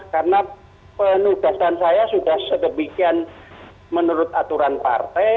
karena penugasan saya sudah sedemikian menurut aturan partai